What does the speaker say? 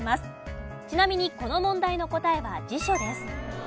ちなみにこの問題の答えは辞書です。